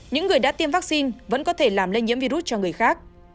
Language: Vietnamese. những người đã tiêm vaccine vẫn có thể làm lây nhiễm virus cho người khác